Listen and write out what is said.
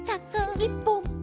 いっぽん。